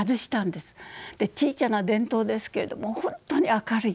ちいちゃな電灯ですけれども本当に明るい。